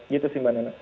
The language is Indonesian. gitu sih mbak nana